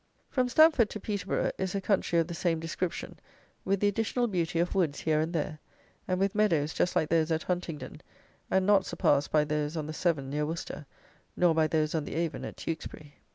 From Stamford to Peterborough is a country of the same description, with the additional beauty of woods here and there, and with meadows just like those at Huntingdon, and not surpassed by those on the Severn near Worcester, nor by those on the Avon at Tewkesbury.